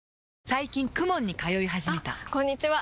最近 ＫＵＭＯＮ に通い始めたあこんにちは！